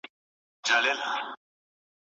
د هند څخه د ستنېدو پر مهال څه وسول؟